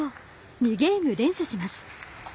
２ゲーム連取します。